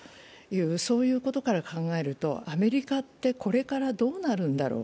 そういうことから考えるとアメリカってこれから、どうなるんだろう。